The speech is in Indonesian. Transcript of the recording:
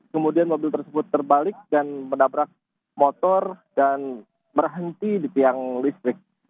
kemudian mobil tersebut terbalik dan menabrak motor dan berhenti di tiang listrik